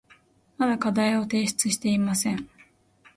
まだ課題を提出していません。